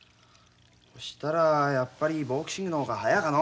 そしたらやっぱりボクシングの方が早いかの。